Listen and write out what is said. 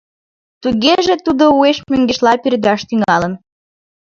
Тугеже, тудо уэш мӧҥгешла пӧрдаш тӱҥалын.